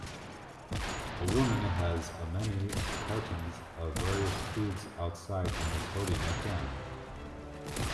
A woman has a many cartons of various foods outside and is holding a can.